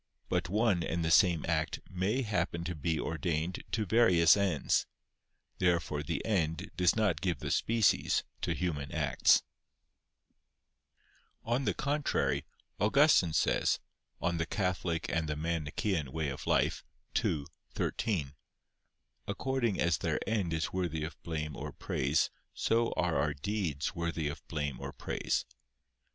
But one and the same act may happen to be ordained to various ends. Therefore the end does not give the species to human acts. On the contrary, Augustine says (De Mor. Eccl. et Manich. ii, 13): "According as their end is worthy of blame or praise so are our deeds worthy of blame or praise."